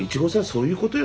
そういうことよ。